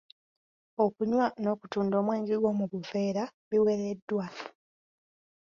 Okunywa n'okutunda omwenge gw'omubuveera biwereddwa.